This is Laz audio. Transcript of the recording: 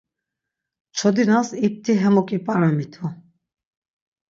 Çodinas ipti hemuk ip̌aramitu: